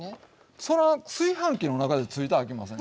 そら炊飯器の中でついたらあきません。